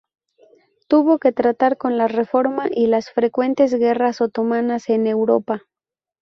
Tuvo que tratar con la Reforma y las frecuentes guerras otomanas en Europa.